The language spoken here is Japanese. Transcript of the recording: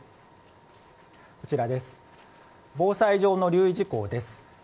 防災上の留意事項です。